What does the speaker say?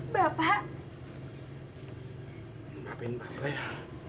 maafin bapak ya